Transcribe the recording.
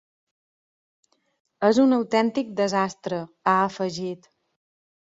És un autèntic desastre, ha afegit.